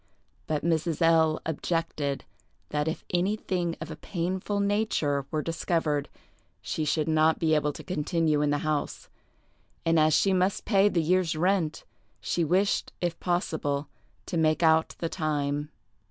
But Mrs. L—— objected that if anything of a painful nature were discovered she should not be able to continue in the house, and as she must pay the year's rent, she wished, if possible, to make out the time.